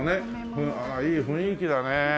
ああいい雰囲気だね。